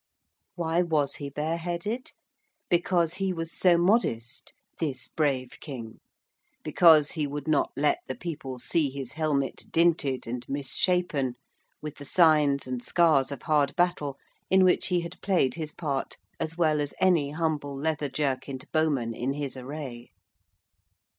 Why was he bareheaded? Because he was so modest this brave King. Because he would not let the people see his helmet dinted and misshapen with the signs and scars of hard battle in which he had played his part as well as any humble leather jerkined bowman in his array.